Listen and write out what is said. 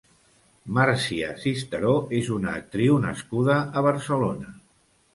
Màrcia Cisteró és una actriu nascuda a Barcelona.